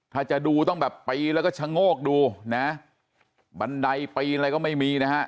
ถ้าจะดูต้องแบบปีนแล้วก็ชะโงกดูนะบันไดปีนอะไรก็ไม่มีนะฮะ